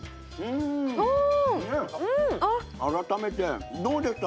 改めてどうですか？